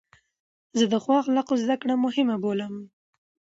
زه د ښو اخلاقو زدکړه مهمه بولم.